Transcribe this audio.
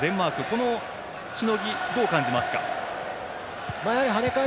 このしのぎ、どう感じますか。